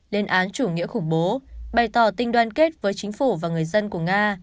lên án chủ nghĩa khủng bố bày tỏ tinh đoan kết với chính phủ và người dân của nga